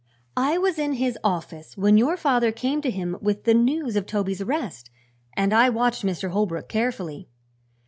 "I was in his office when your father came to him with the news of Toby's arrest, and I watched Mr. Holbrook carefully.